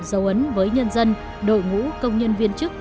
dấu ấn với nhân dân đội ngũ công nhân viên chức